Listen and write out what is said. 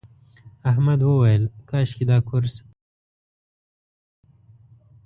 احمد وویل کاشکې دا کورس لږ اوږد وای.